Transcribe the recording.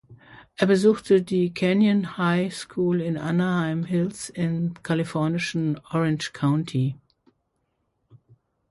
Er besuchte die Canyon High School in Anaheim Hills im kalifornischen Orange County.